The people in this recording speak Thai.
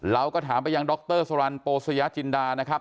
เราก็ถามไปยังดรสรรโปสยาจินดานะครับ